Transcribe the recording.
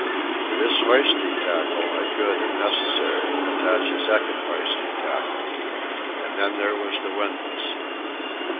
To this hoisting tackle I could, if necessary, attach a second hoisting tackle. And then there was the windlass!